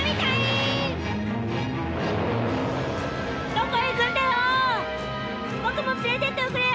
どこへ行くんだよ！